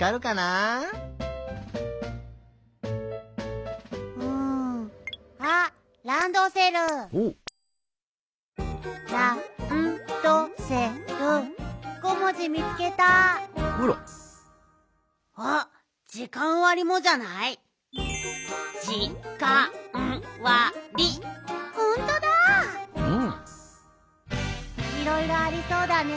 いろいろありそうだね。